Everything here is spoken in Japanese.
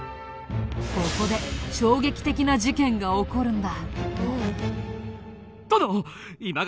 ここで衝撃的な事件が起こるんだ。